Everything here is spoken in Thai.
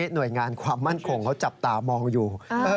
หน่วยงานความมั่นคงเขาจับตามองอยู่